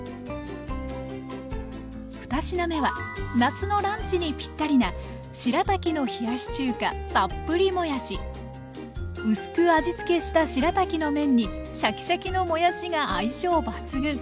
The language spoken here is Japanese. ２品目は夏のランチにぴったりな薄く味付けしたしらたきの麺にシャキシャキのもやしが相性抜群！